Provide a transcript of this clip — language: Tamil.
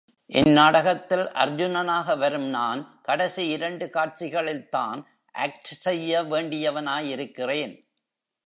இந் நாடகத்தில், அர்ஜுனனாக வரும் நான், கடைசி இரண்டு காட்சிகளில்தான் ஆக்ட் செய்ய வேண்டியவனாயிருக்கிறேன்.